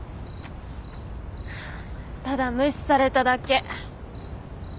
ただ無視されただけ。